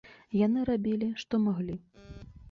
Яны рабілі, што маглі.